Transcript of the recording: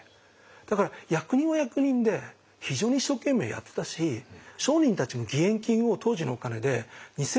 だから役人は役人で非常に一生懸命やってたし商人たちも義援金を当時のお金で２，３００両集めてるの。